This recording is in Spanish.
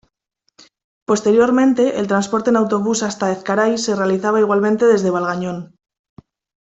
Posteriormente, el transporte en autobús hasta Ezcaray se realizaba igualmente desde Valgañón.